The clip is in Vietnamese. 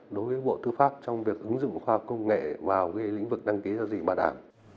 đối với bộ tư pháp trong việc ứng dụng khoa học công nghệ vào lĩnh vực đăng ký giao dịch bảo đảm